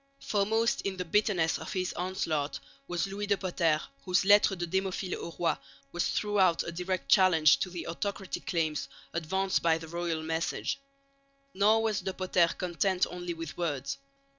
Foremost in the bitterness of his onslaught was Louis de Potter, whose Lettre de Démophile au Roi was throughout a direct challenge to the autocratic claims advanced by the royal message. Nor was De Potter content only with words.